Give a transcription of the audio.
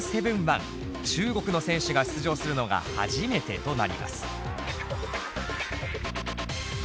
中国の選手が出場するのが初めてとなります。